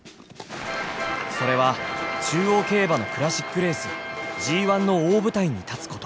それは中央競馬のクラシックレースＧⅠの大舞台に立つこと。